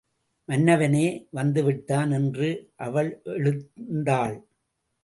மன்னவனே வந்து விட்டான் என்று அவள் எழுந்தாள்.